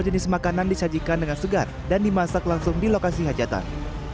jenis makanan disajikan dengan segar dan dimasak langsung di lokasi hajatan